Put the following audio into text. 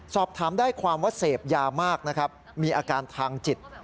สอบถามได้ความว่าเสพยามากนะครับมีอาการทางจิต